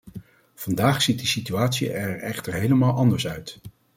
Vandaag ziet de situatie er echter helemaal anders uit.